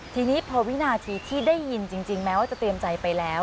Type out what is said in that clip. ทีนี้พอวินาทีที่ได้ยินจริงแม้ว่าจะเตรียมใจไปแล้ว